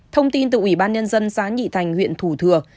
thông tin từ ủy ban nhân dân giá nhị thành huyện thủ thừa